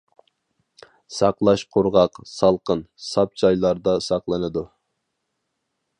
ساقلاش قۇرغاق، سالقىن، ساپ جايلاردا ساقلىنىدۇ.